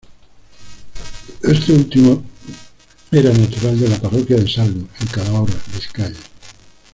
Este último era natural de la parroquia de Salgo, en Calahorra, Vizcaya.